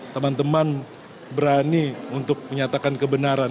teman teman berani untuk menyatakan kebenaran